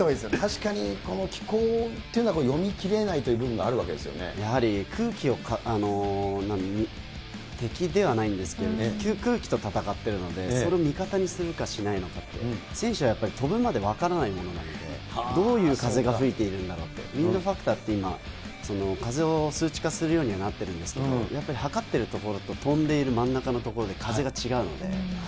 確かにこの気候っていうのは、読み切れないという部分があるわやはり空気を、敵ではないんですけど、空気と戦ってるので、それを味方にするかしないのかって、選手はやっぱり、飛ぶまでわからないものなので、どういう風が吹いているんだろうって、ウインドファクターって今、風を数値化するようにはなっているんですけれども、やっぱり測ってる所と、飛んでいる真ん中のところで風が違うので。